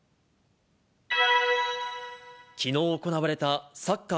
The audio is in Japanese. きのう行われたサッカー